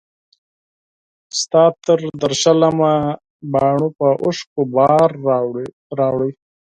ستا تر درشله مي باڼو په اوښکو بار راوړی